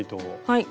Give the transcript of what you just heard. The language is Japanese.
はい。